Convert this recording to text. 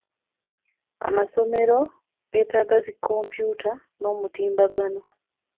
Amasomero geetaaga zi kompyuta n'omutimbagano.